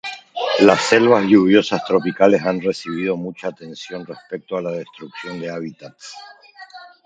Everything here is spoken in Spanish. Las selvas lluviosas tropicales han recibido mucha atención respecto a la destrucción de hábitats.